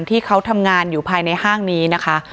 ที่เขาทำงานอยู่ภายในห้างนี้นะคะ